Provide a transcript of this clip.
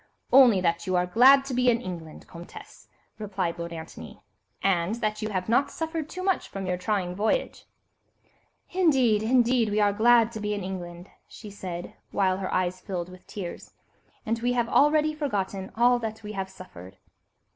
"Only that you are glad to be in England, Comtesse," replied Lord Antony, "and that you have not suffered too much from your trying voyage." "Indeed, indeed, we are glad to be in England," she said, while her eyes filled with tears, "and we have already forgotten all that we have suffered."